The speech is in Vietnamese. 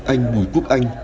anh bùi quốc anh